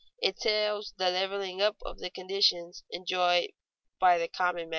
It tells the leveling up of the conditions enjoyed by the common man.